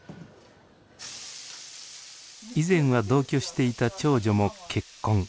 以前は同居していた長女も結婚。